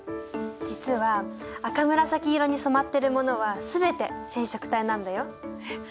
実は赤紫色に染まってるものは全て染色体なんだよ。え？